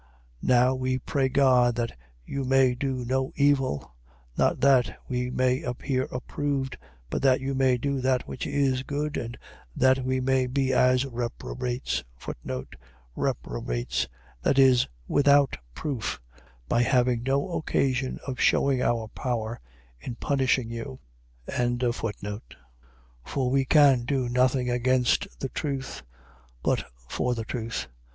13:7. Now we pray God that you may do no evil, not that we may appear approved, but that you may do that which is good and that we may be as reprobates. Reprobates. . .that is, without proof, by having no occasion of shewing our power in punishing you. 13:8. For we can do nothing against the truth: but for the truth.